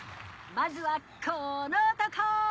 まずはこの男！